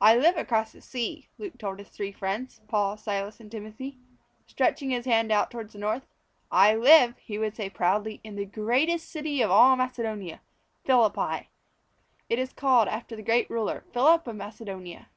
"I live across the sea," Luke told his three friends Paul, Silas and Timothy stretching his hand out towards the north. "I live," he would say proudly, "in the greatest city of all Macedonia Philippi. It is called after the great ruler Philip of Macedonia."